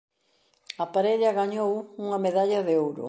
A parella gañou unha medalla de ouro.